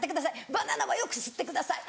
バナナはよくすってください。